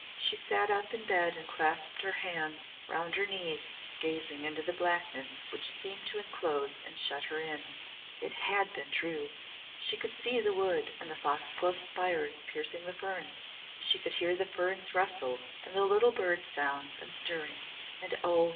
She sat up in bed and clasped her hands round her knees gazing into the blackness which seemed to enclose and shut her in. It had been true! She could see the wood and the foxglove spires piercing the ferns. She could hear the ferns rustle and the little bird sounds and stirrings. And oh!